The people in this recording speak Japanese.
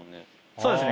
そうですね